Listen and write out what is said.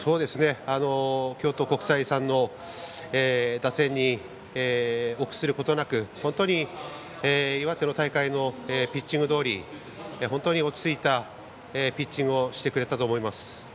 京都国際さんの打線に臆することなく本当に岩手の大会のピッチングどおり本当に落ち着いたピッチングをしてくれたと思います。